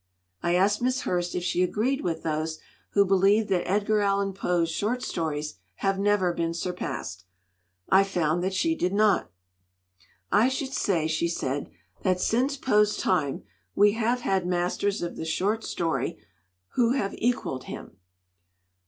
I asked Miss Hurst if she agreed with those who believe that Edgar Allan Poe's short stories have never been surpassed. I found that she did not. "I should say," she said, "that since Poe's time we have had masters of the short story who have equaled him.